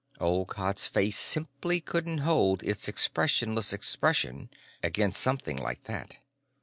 Olcott's face simply couldn't hold its expressionless expression against something like that.